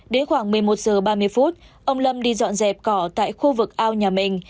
đến khoảng một mươi một h ba mươi phút ông lâm đi dọn dẹp cỏ tại khu vực ao nhà mình